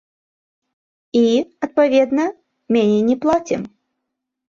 І, адпаведна, меней не плацім.